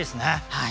はい。